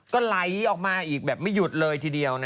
ก็ไหลออกมาอีกแบบไม่หยุดเลยทีเดียว